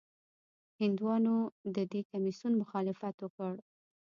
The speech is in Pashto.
هندیانو د دې کمیسیون مخالفت وکړ.